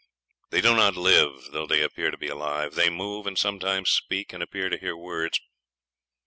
They do not live, though they appear to be alive; they move, and sometimes speak, and appear to hear words.